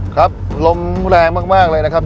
ครับลมแรงมากเลยนะครับ